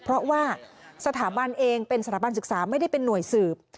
เพราะว่าสถาบันเองเป็นสถาบันศึกษาไม่ได้เป็นหน่วยสืบ